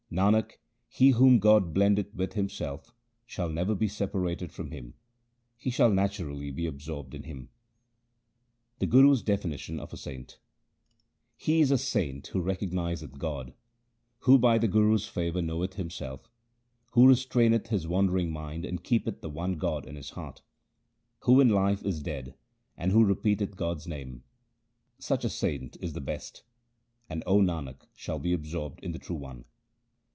Nanak, he whom God blendeth with Himself, shall never be separated from Him ; he shall naturally be absorbed in Him. The Guru's definition of a saint :— He is a saint who recognizeth God, Who by the Guru's favour knoweth himself, Who restraineth his wandering mind and keepeth the one God in his heart, Who in life is dead, and who repeateth God's name Such a saint is the best, And, 0 Nanak, shall be absorbed in the True One.